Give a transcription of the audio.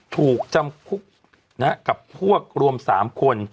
ถูกจะมคุกกับพวกรวมสามคน